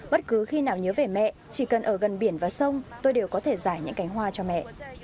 bất cứ khi nào nhớ về mẹ chỉ cần ở gần biển và sông tôi đều có thể giải những cánh hoa cho mẹ